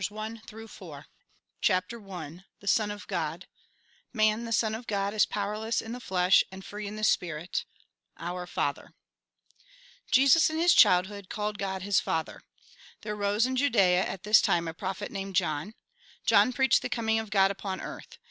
A RECAPITULATION CHAPTER I THE SON OF GOD Man, the son of God, is powerless in the flesh, and free in the spirit ("®ur iFatbcr") Jesus in his childhood called God his Father. There arose in Juda?a, at this time, a prophet named John. John preached the coming of God upon earth.